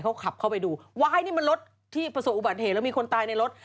เขาขับเข้าไปดูว้ายนี่มันรถที่ประสบอุบัติเหตุแล้วมีคนตายในรถ